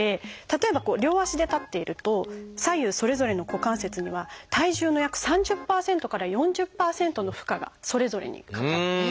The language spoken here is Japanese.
例えば両足で立っていると左右それぞれの股関節には体重の約３０％から４０％の負荷がそれぞれにかかって。